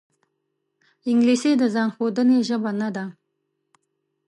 انګلیسي د ځان ښودنې ژبه نه ده